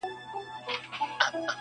لمر کمزوری ښکاري دلته ډېر